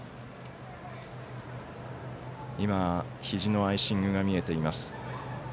ひじのアイシングが見えています。